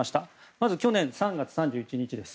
まず、去年３月３１日です。